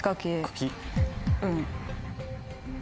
うん。